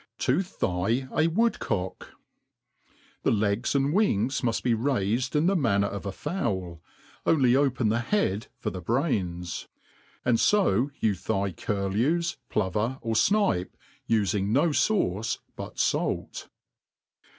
To thigh a Woodcock, THE legs and wings muft be raifed in the manner of a fowl, only open the head for tfie brains. And fo you thigh curlews, plover, t)r fnipe, ufing no fauce but fait.